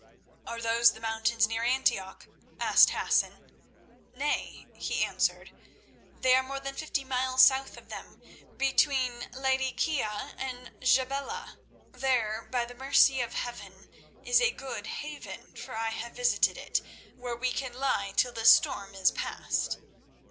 "Are those the mountains near Antioch?" asked Hassan. "Nay," he answered, "they are more than fifty miles south of them, between Ladikiya and Jebela. There, by the mercy of Heaven, is a good haven, for I have visited it, where we can lie till this storm is past."